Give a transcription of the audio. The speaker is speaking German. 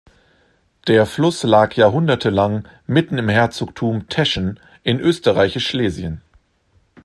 Der Fluss lag jahrhundertelang mitten im Herzogtum Teschen in Österreichisch-Schlesien.